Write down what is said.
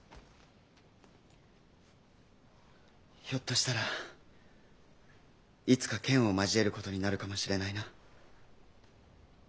ひょっとしたらいつか剣を交える事になるかもしれないな。